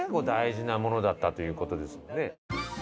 大事なものだったという事ですもんね。